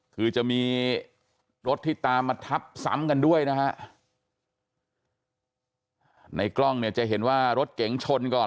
คือจะมีรถที่ตามมาทับซ้ำกันด้วยนะฮะในกล้องเนี่ยจะเห็นว่ารถเก๋งชนก่อน